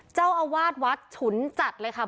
เจ้าอาวาสวัดฉุนจัดเลยค่ะ